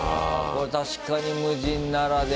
これ確かに無人ならではだ。